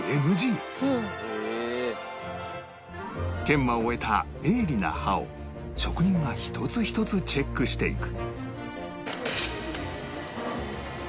研磨を終えた鋭利な刃を職人が一つ一つチェックしていく